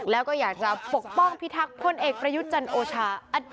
แล้วก็อยากจะปกป้องพิทักษ์พลเอกประยุทธ์จันโอชา